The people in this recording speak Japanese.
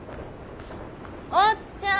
おっちゃん。